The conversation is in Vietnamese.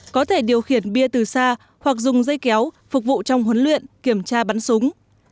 có thể điều khiển bia từ xa hoặc dùng dây kéo phục vụ trong huấn luyện kiểm tra bắn súng